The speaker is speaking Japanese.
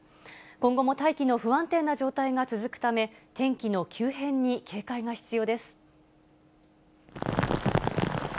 今後も大気の不安定な状態が続くため、天気の急変に警戒が必要です。